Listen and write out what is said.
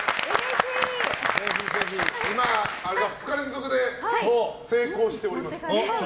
２日連続で成功しております。